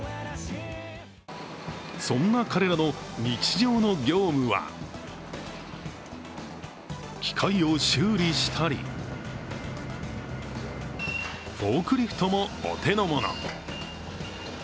そんな彼らの日常の業務は機械を修理したり、フォークリフトもお手のもの。